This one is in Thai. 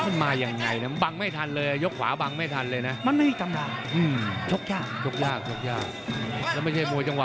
เอาหว่ากลับไปนี่